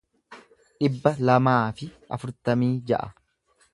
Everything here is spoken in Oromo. dhibba lamaa fi afurtamii ja'a